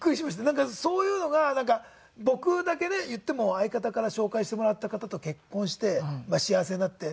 なんかそういうのが僕だけね言っても相方から紹介してもらった方と結婚して幸せになって。